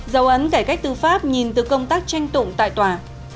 dấu ấn cải cách tư pháp nhìn từ công tác tranh tụng tại tòa